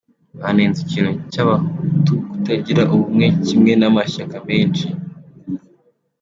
Banenze ikintu cy’Abahutu kutagira ubumwe kimwe n’amashyaka menshi.